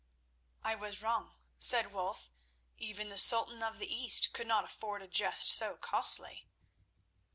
"I was wrong," said Wulf. "Even the Sultan of the East could not afford a jest so costly."